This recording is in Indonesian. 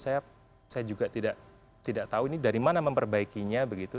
saya juga tidak tahu ini dari mana memperbaikinya begitu